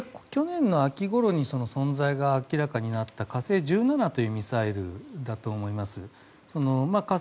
去年の秋ごろに存在が明らかになった「火星１５号」というミサイルだと思います。